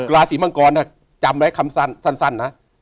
ราศีมังกรจำไว้คำสั้นนะ